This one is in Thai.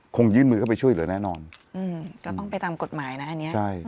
ยื่นมือเข้าไปช่วยเหลือแน่นอนอืมก็ต้องไปตามกฎหมายนะอันนี้ใช่